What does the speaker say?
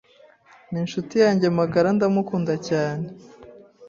ninshuti yanjye magara ndamukunda cyane